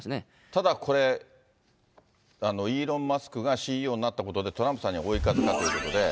ただこれ、イーロン・マスクがＣＥＯになったことで、トランプさんには追い風かということで。